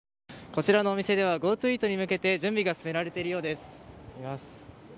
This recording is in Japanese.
こちらのお店ではＧｏＴｏイートに向けて準備が進められているようです。